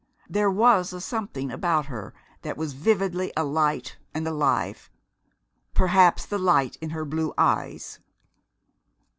There was a something about her that was vividly alight and alive, perhaps the light in her blue eyes.